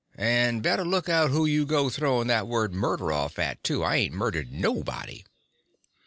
And better look out who you go throwin' that word 'murder' off at, too. I ain't murdered nobody."